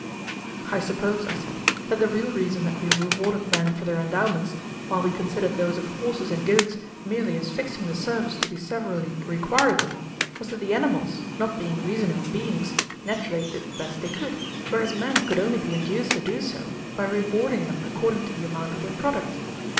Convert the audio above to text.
"I suppose," I said, "that the real reason that we rewarded men for their endowments, while we considered those of horses and goats merely as fixing the service to be severally required of them, was that the animals, not being reasoning beings, naturally did the best they could, whereas men could only be induced to do so by rewarding them according to the amount of their product.